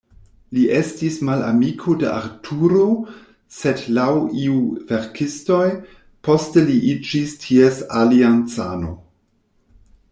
Li estis malamiko de Arturo, sed, laŭ iuj verkistoj, poste li iĝis ties aliancano.